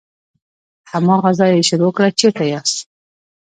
له هماغه ځایه یې شروع کړه چیرته چې یاست.